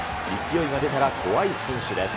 勢いが出たら怖い選手です。